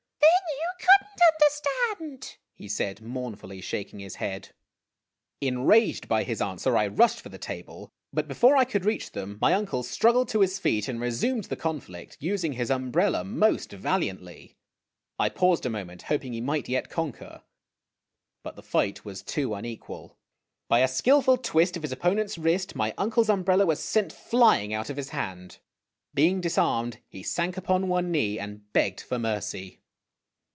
"Then you could lit understand," he said, mournfully shaking his head. BEFORE I COULD INTERFERE THEY \VERE FIGHTING FOR THEIR LIVES." THE SATCHEL 187 Enraged by his answer, I rushed for the table ; but, before I could reach them, my uncle struggled to his feet and resumed the conflict, using his umbrella most valiantly. I paused a moment, hoping he might yet conquer, but the fight was too unequal. By a skilful twist of his opponent's wrist my uncle's umbrella was sent flying out of his hand. Being disarmed, he sank upon one knee and begged for mercy.